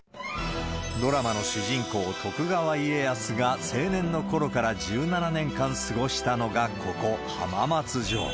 ドラマの主人公、徳川家康が青年のころから１７年間過ごしたのがここ、浜松城。